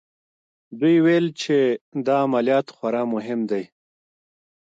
دوی ویل چې دا عملیات خورا مهم دی